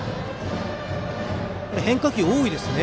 変化球、多いですね。